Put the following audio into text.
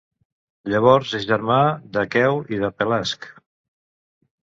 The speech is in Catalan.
Llavors és germà d'Aqueu i de Pelasg.